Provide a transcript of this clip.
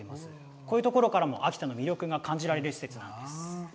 こういうところからも秋田の魅力が感じられる施設なんです。